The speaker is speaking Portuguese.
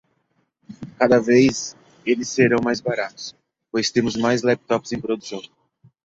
Cada vez eles serão mais baratos, pois temos mais laptops em produção.